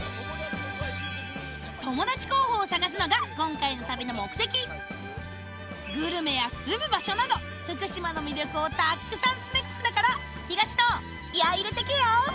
友達候補を探すのが今回の旅の目的グルメや住む場所など福島の魅力をたくさん詰め込んだから東野気合入れてけよ！